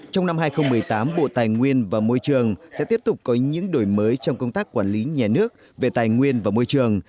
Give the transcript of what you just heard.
trong năm hai nghìn một mươi tám bộ tài nguyên và môi trường sẽ tiếp tục có những đổi mới trong công tác quản lý nhà nước về tài nguyên và môi trường